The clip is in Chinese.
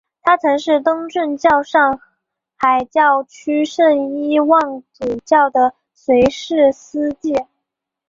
他曾是东正教上海教区圣伊望主教的随侍司祭。